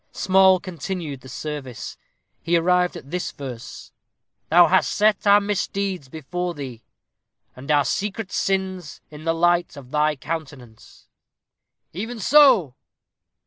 Small continued the service. He arrived at this verse: "Thou hast set our misdeeds before thee; and our secret sins in the light of thy countenance." "Even so!"